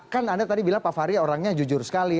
kan anda tadi bilang pak fahri orangnya jujur sekali